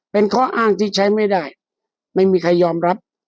เป็นข้ออ้างที่ใช้ไม่ได้ไม่มีใครยอมรับ